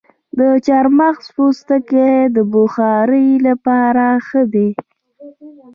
د چارمغز پوستکي د بخارۍ لپاره ښه دي؟